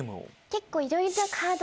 結構。